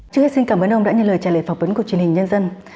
trước hết xin cảm ơn ông đã nhận lời trả lời phỏng vấn của truyền hình nhân dân